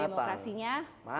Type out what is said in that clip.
dan demokrasinya matang